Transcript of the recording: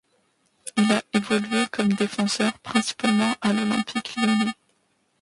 Il a évolué comme défenseur, principalement à l'Olympique lyonnais.